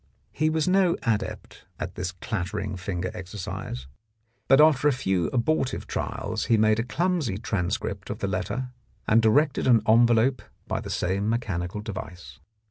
He was no adept at this clattering finger exercise, d 4 1 The Blackmailer of Park Lane but after a few abortive trials he made a clumsy transcript of the letter, and directed an envelope by the same mechanical device.